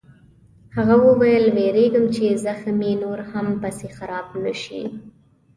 هغه وویل: وېرېږم چې زخم یې نور هم پسې خراب نه شي.